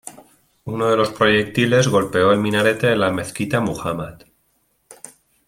Uno de los proyectiles golpeó el minarete de la Mezquita Muhammad.